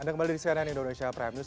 anda kembali di cnn indonesia prime news